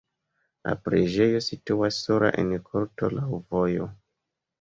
La preĝejo situas sola en korto laŭ vojo.